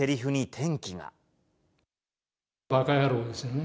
ばか野郎ですよね。